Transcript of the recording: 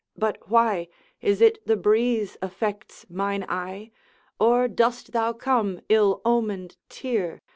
But why Is it the breeze affects mine eye? Or dost thou come, ill omened tear!